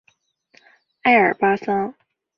爱尔巴桑。